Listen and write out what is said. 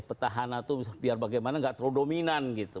petahana itu biar bagaimana enggak terdominan gitu